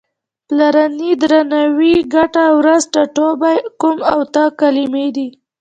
پلرنی، درناوی، ګټه، ورځ، ټاټوبی، کوم او ته کلمې دي.